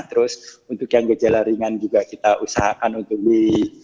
terus untuk yang gejala ringan juga kita usahakan untuk di